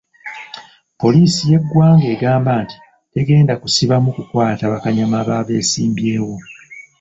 Poliisi y'eggwanga egamba nti tegenda kusibamu kukwata bakanyama ba beesimbyewo .